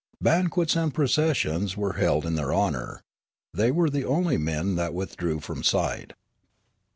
Ban quets and processions were held in their honour ; they were the only men that withdrew from sight.